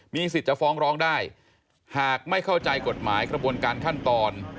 สิทธิ์จะฟ้องร้องได้หากไม่เข้าใจกฎหมายกระบวนการขั้นตอน